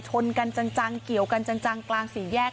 ชนกันจังเกี่ยวกันจังกลางสี่แยก